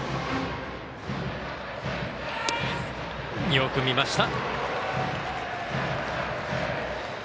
よく見ました。